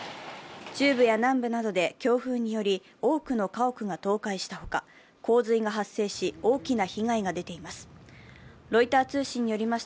中部や南部などで強風により多くの家屋が倒壊した他、洪水が発生し、大きな被害が出ています。